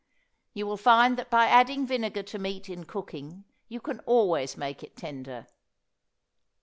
You will find that by adding vinegar to meat in cooking, you can always make it tender.